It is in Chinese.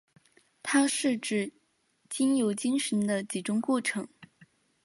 它是指经由精神的集中过程。